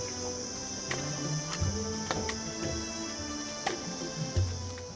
jadi kalau kita lihat dari luar sana itu ada banyak yang ada di luar sana